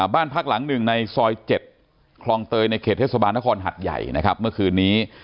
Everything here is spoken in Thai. บ้านพักหลังหนึ่งในซอย๗คลองเตยในเขตเทศบาลนครหัดใหญ่นะครับเมื่อคืนนี้